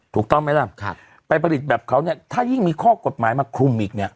ถูกต้องไหมล่ะไปผลิตแบบเขาเนี่ยถ้ายิ่งมีข้อกฎหมายมาคลุมอีกเนี่ย